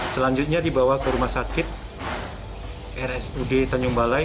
selanjutnya dibawa ke rumah sakit rsud tanjung balai